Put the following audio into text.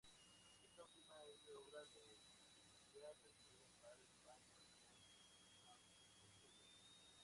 Esta última es de obra de tapial, revestida en varios paños con mampostería.